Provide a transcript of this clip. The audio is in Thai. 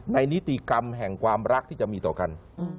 นิติกรรมแห่งความรักที่จะมีต่อกัน